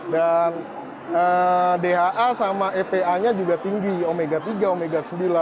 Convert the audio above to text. dan dha sama epa nya juga tinggi omega tiga omega sembilan